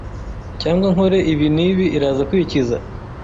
cyangwa nkore ibi n’ibi iraza kwikiza